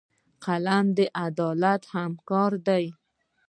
قلم د عدالت همکار دی